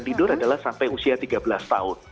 tidur adalah sampai usia tiga belas tahun